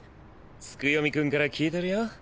ツクヨミくんから聞いてるよ。